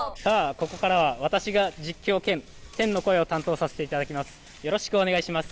ここからは私が実況兼天の声を担当させていただきます。